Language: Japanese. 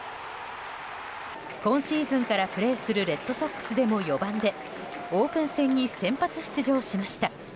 今シーズンからプレーするレッドソックスでも４番でオープン戦に先発出場しました。